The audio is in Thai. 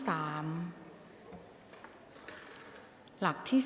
ออกรางวัลเลขหน้า๓ตัวครั้งที่๑ค่ะ